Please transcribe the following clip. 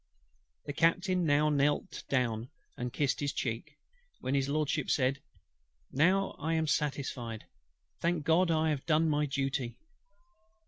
The Captain now knelt down, and kissed his cheek; when HIS LORDSHIP said, "Now I am satisfied. Thank GOD, I have done my duty."